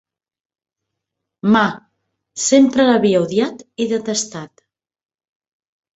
Ma, sempre l"havia odiat i detestat.